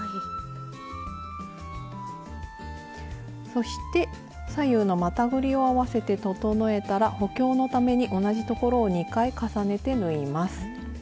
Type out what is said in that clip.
そして左右のまたぐりを合わせて整えたら補強のために同じところを２回重ねて縫います。